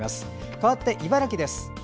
かわって茨城です。